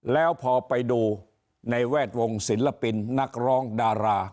แล้วพอไปดูในแวดวงศิลปินนักร้องดารา